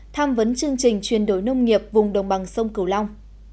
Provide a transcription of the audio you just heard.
tham vấn chương trình chuyển đổi nông nghiệp vùng đồng bằng sông cửu long